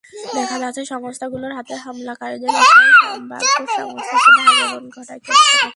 দেখা যাচ্ছে, সংস্থাগুলোর হাতে হামলাকারীদের বিষয়ে সম্ভাব্য সন্ত্রাসী হিসেবে আগাম তথ্য থাকে।